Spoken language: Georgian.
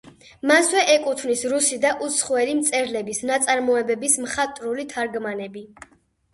მასვე ეკუთვნის რუსი და უცხოელი მწერლების ნაწარმოებების მხატვრული თარგმანები.